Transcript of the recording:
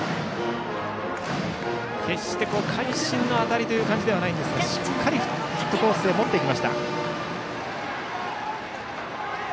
決して会心の当たりという感じではないんですがしっかり振って持っていきました。